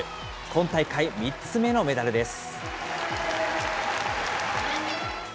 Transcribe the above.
今大会３つ目のメダルです。